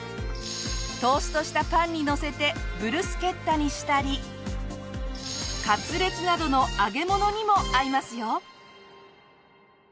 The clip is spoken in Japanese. トーストしたパンにのせてブルスケッタにしたりカツレツなどの揚げ物にも合いますよ！